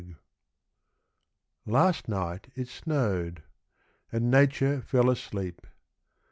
Last night it snowed; and Nature fell asleep.